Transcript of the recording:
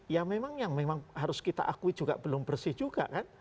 ya memang yang memang harus kita akui juga belum bersih juga kan